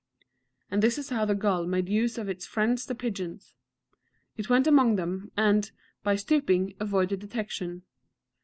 And this is how the gull made use of its friends the pigeons. It went among them, and, by stooping, avoided detection.